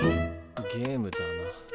ゲームだな。